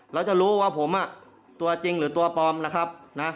แล้วจะรู้ว่าผมตัวจริงหรือตัวปลอมล่ะครับนะ